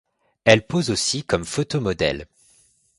Elle pose aussi comme photo modèle.